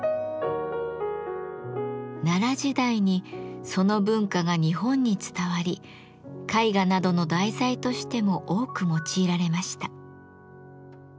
奈良時代にその文化が日本に伝わり絵画などの題材としても多く用いられました。